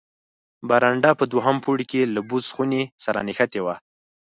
برنډه په دوهم پوړ کې له بوس خونې سره نښته وه.